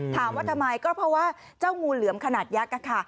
ถามว่าทำไมก็เพราะว่าเจ้างูเหลือมขนาดยักษ์ค่ะ